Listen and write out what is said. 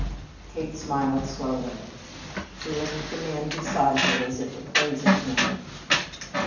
Kate smiled slowly. She looked at the man beside her as if appraising him.